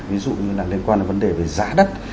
ví dụ như là liên quan đến vấn đề về giá đất